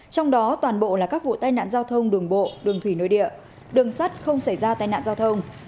trong đó toàn bộ là các vụ tai nạn giao thông đường bộ đường thủy nội địa đường sắt không xảy ra tai nạn giao thông